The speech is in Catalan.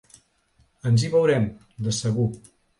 Ens hi veurem, de segur.